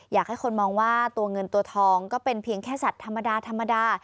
อยากให้คนมองว่าตัวเงินตัวทองก็เป็นเพียงแค่สัตว์ธรรมดาธรรมดา